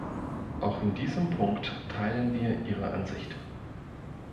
Auch in diesem Punkt teilen wir Ihre Ansicht.